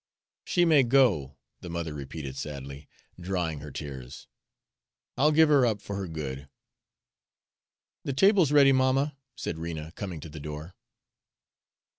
"She may go," the mother repeated sadly, drying her tears. "I'll give her up for her good." "The table 's ready, mamma," said Rena, coming to the door.